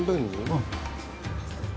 うん。